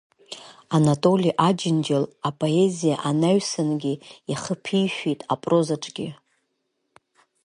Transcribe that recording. Анатоли Аџьынџьал апоезиа анаҩсангьы ихы ԥишәеит апрозаҿгьы.